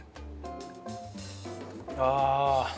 ああ。